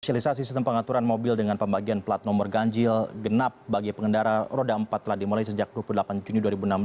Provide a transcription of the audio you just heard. sosialisasi sistem pengaturan mobil dengan pembagian plat nomor ganjil genap bagi pengendara roda empat telah dimulai sejak dua puluh delapan juni dua ribu enam belas